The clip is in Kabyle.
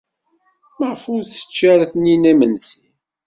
Maɣef ur tečči ara Taninna imensi?